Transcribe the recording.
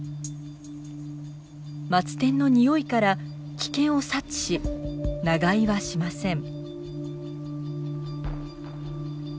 マツテンのニオイから危険を察知し長居はしません。